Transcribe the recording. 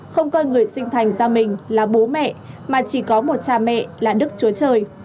không coi người sinh thành ra mình là bố mẹ mà chỉ có một cha mẹ là đức chúa trời